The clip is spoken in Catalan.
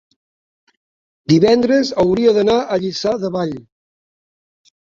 divendres hauria d'anar a Lliçà de Vall.